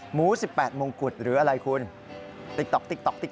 หมูสิบแปดมงกุฎหรืออะไรคุณติ๊กต๊อก